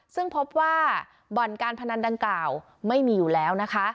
ซึ่งพบว่าบ่อนการพนันดังกล่าวไม่มีอยู่แล้วนะคะ